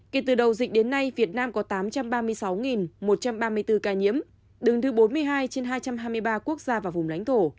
kể từ đầu dịch đến nay việt nam có tám trăm ba mươi sáu một trăm ba mươi bốn ca nhiễm đứng thứ bốn mươi hai trên hai trăm hai mươi ba quốc gia và vùng lãnh thổ